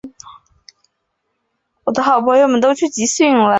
海瓦纳纳基亚是位于美国亚利桑那州皮马县的一个人口普查指定地区。